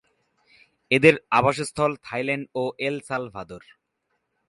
এদের আবাসস্থল থাইল্যান্ড ও এল সালভাদোর।